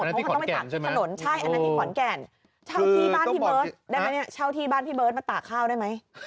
อันนั้นที่ขอนแก่นใช่ไหมใช่อันนั้นที่ขอนแก่นเช่าที่บ้านพี่เบิร์ตมาตากข้าวได้ไหม